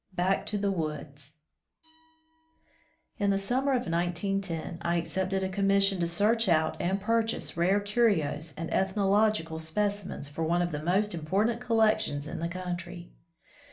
165 XI BACK TO THE WOODS ¥N the summer of 1910, I accepted a ^ commission to search out and purchase rare curios and ethnological specimens for one of the most important collections in the country.